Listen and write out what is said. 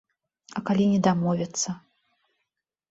А калі не дамовяцца?